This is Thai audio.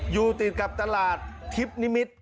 อยู่ติดกับตลาดทิพย์นิมิตร